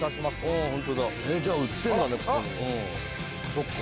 そっか。